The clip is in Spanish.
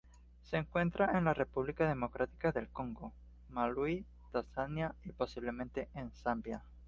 Se encuentra en la República Democrática del Congo, Malaui, Tanzania y, posiblemente en Zambia.